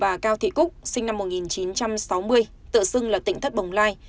nơi ở của bà cao thị cúc sinh năm một nghìn chín trăm sáu mươi tựa sưng là tỉnh thất bồng lai